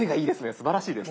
すばらしいです。